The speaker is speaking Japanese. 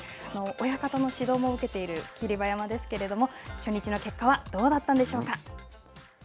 親方の指導も受けている霧馬山ですけれども初日の結果はどうだったか、どうかでしょう。